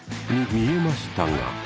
見えました？